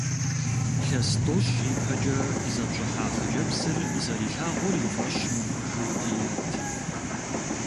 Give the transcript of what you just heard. Илъэс тӏощӏ ипэкӏэ зэпщӏыхьа хъыджэбзыр зэрилъагъур и фӏэщ мыхъужу дият.